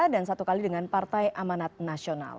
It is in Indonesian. dan satu kali dengan partai amanat nasional